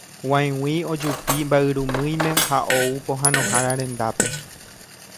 g̃uaig̃ui ojupi mba'yrumýime ha ou pohãnohára rendápe